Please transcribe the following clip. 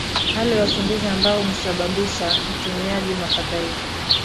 hali ya usingizi ambayo humsambabishia mtumiaji mfadhaiko